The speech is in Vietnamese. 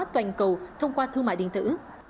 toàn cầu thông qua thư mại điện tử